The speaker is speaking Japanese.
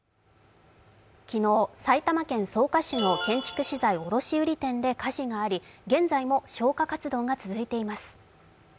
昨日、埼玉県草加市の建築資材卸売店で火事が発生し現在も消火活動が続いています。